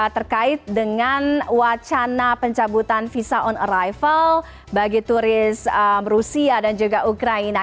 terkait dengan wacana pencabutan visa on arrival bagi turis rusia dan juga ukraina